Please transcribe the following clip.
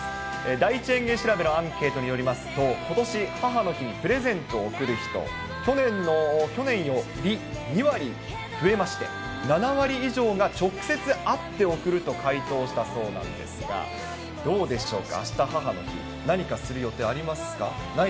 第一園芸調べのアンケートによりますと、ことし、母の日にプレゼントを贈る人、去年より２割増えまして、７割以上が直接会って贈ると回答したそうなんですが、どうでしょうか、あした母の日、何かする予定はありますか。